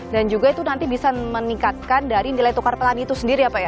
dan juga itu nanti bisa meningkatkan dari nilai tukar pelan itu sendiri ya pak ya